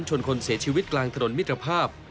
ชนคนเสียชีวิตกลางถนนมิตรภาพ